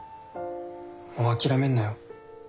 もう諦めんなよ